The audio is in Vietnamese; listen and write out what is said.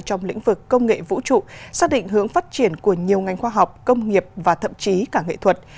trong lĩnh vực công nghệ vũ trụ xác định hướng phát triển của nhiều ngành khoa học công nghiệp và thậm chí cả nghệ thuật